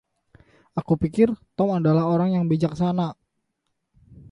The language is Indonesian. Aku pikir Tom adalah orang yang bijaksana.